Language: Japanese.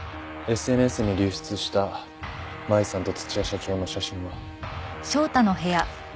ＳＮＳに流出した麻衣さんと土屋社長の写真は？